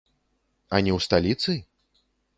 А не ў сталіцы?